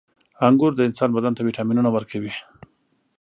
• انګور د انسان بدن ته ویټامینونه ورکوي.